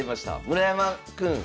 「村山君